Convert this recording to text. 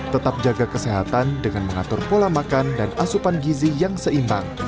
tetap jaga kesehatan dengan mengatur pola makan dan asupan gizi yang seimbang